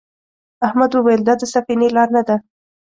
احمد وویل دا د سفینې لار نه ده.